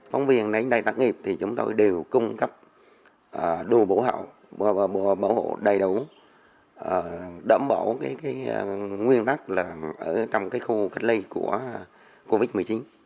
phóng viên đến đây tác nghiệp thì chúng tôi đều cung cấp đủ bảo hộ bảo hộ đầy đủ đẩm bảo cái nguyên tắc là ở trong cái khu cách ly của covid một mươi chín